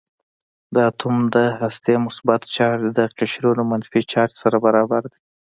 د اتوم د هستې مثبت چارج د قشرونو منفي چارج سره برابر دی.